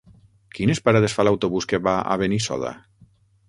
Quines parades fa l'autobús que va a Benissoda?